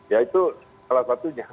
ya itu salah satunya